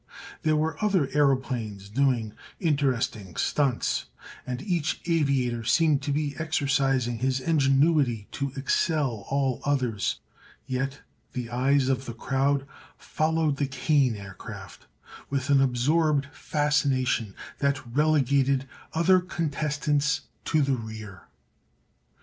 There were other aëroplanes doing interesting "stunts," and each aviator seemed to be exercising his ingenuity to excel all others, yet the eyes of the crowd followed the Kane Aircraft with an absorbed fascination that relegated other contestants to the rear.